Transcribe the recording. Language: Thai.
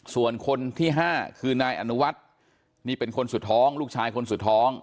ส่วนคนที่๕คือนายอนุวัฒน์นี่เป็นคนสุดท้องลูกชายคนสุดท้อง